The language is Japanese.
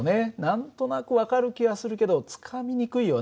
何となく分かる気はするけどつかみにくいよね。